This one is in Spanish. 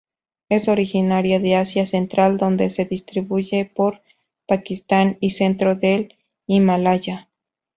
Es originaria de Asia Central donde se distribuye por Pakistán y centro del Himalaya.